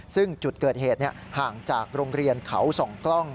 ซึ่งจุดเกิดเหตุห่างจากโรงเรียนเขาส่องกล้อง